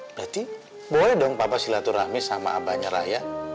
berarti boleh dong papa silaturahmi sama abahnya rakyat